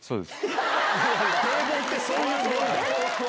堤防ってそういうもんだよ！